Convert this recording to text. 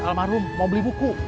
almarhum mau beli buku